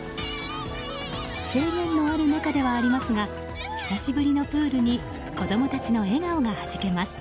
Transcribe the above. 制限のある中ではありますが久しぶりのプールに子供たちの笑顔がはじけます。